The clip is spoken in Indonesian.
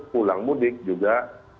pulang mudik juga